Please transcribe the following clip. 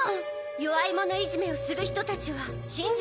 弱い者いじめをする人たちは信じられません。